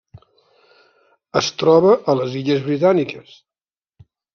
Es troba a les Illes Britàniques: